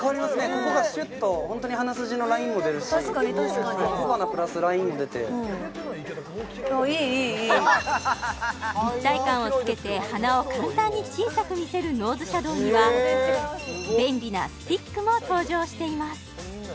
ここがシュッとホントに鼻筋のラインも出るし確かに確かに小鼻プラスラインも出ていいいいいい立体感をつけて鼻を簡単に小さく見せるノーズシャドウには便利なスティックも登場しています